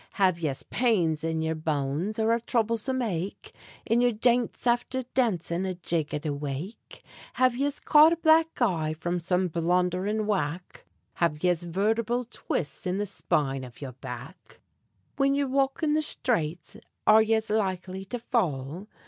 Have yez pains in yer bones or a throublesome ache In yer jints afther dancin' a jig at a wake? Have yez caught a black eye from some blundhering whack? Have yez vertebral twists in the sphine av yer back? Whin ye're walkin' the shtrates are yez likely to fall?